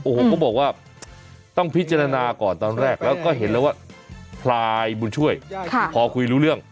โอ้โหเขาบอกว่าต้องพิจารณาก่อนตอนแรกแล้วก็เห็นแล้วว่าพลายบุญช่วยพอคุยรู้เรื่อง